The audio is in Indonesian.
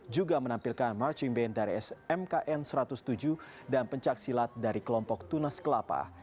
juga menampilkan marching band dari smkn satu ratus tujuh dan pencaksilat dari kelompok tunas kelapa